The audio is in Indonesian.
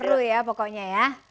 seru ya pokoknya ya